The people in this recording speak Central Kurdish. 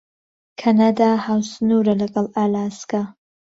کەنەدا هاوسنوورە لەگەڵ ئالاسکا.